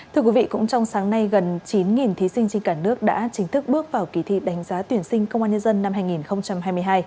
thưa quý vị cũng trong sáng nay gần chín thí sinh trên cả nước đã chính thức bước vào kỳ thi đánh giá tuyển sinh công an nhân dân năm hai nghìn hai mươi hai